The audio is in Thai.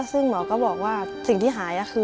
ซึ่งหมอก็บอกว่าสิ่งที่หายก็คือ